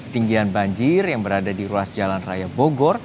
tinggian banjir yang berada di ruas jalan raya bogor